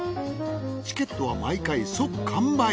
チケットは毎回即完売。